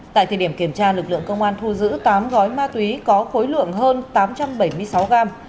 tại thời điểm kiểm tra lực lượng công an thu giữ tám gói ma túy có khối lượng hơn tám trăm bảy mươi sáu gram